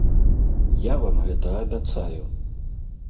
Я вам гэта абяцаю!